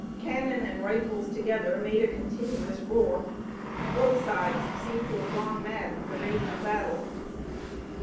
Cannon and rifles together made a continuous roar. Both sides seemed to have gone mad with the rage of battle.